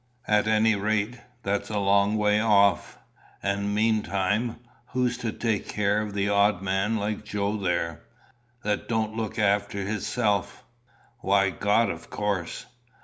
"At any rate, that's a long way off; and mean time, who's to take care of the odd man like Joe there, that don't look after hisself?" "Why, God, of course."